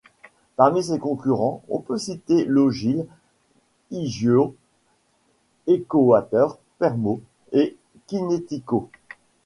Parmi ses concurrents, on peut citer Laugil, Hygieau, Ecowater, Permo ou Kinetico.